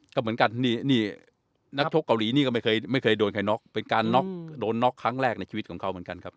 ก็เหมือนกันนี่นักชกเกาหลีนี่ก็ไม่เคยไม่เคยโดนใครน็อกเป็นการน็อกโดนน็อกครั้งแรกในชีวิตของเขาเหมือนกันครับ